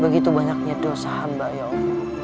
begitu banyaknya dosa hamba ya allah